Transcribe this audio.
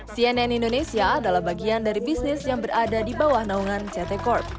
cnn indonesia adalah bagian dari bisnis yang berada di bawah naungan ct corp